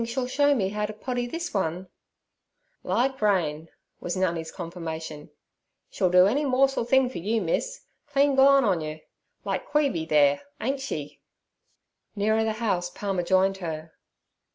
'Think she'll show me how to poddy this one?' 'Like rain' was Nungi's confirmation. 'She'll do any morsel thing for you, miss—clean gone on you; like Queeby there, ain't she?' Nearer the house Palmer joined her.